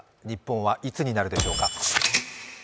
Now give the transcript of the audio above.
日本はいつになるでしょうか。